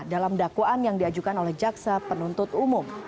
dalam dakwaan yang diajukan oleh jaksa penuntut umum